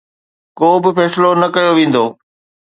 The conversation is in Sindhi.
ڪو به فيصلو نه ڪيو ويندو